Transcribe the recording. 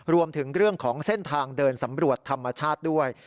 รวมถึงเรื่องของเส้นทางเดินสำรวจธรรมชาติด้วย